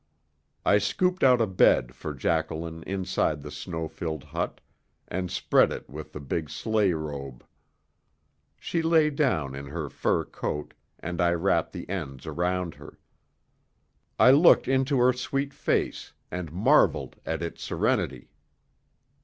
I scooped out a bed for Jacqueline inside the snow filled hut and spread it with the big sleigh robe. She lay down in her fur coat, and I wrapped the ends around her. I looked into her sweet face and marvelled at its serenity.